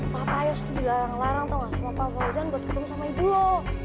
pak payos tuh dilarang larang tau gak sama pak fawzan buat ketemu sama ibu lo